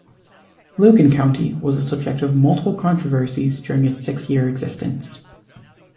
Logan County was the subject of multiple controversies during its six-year existence.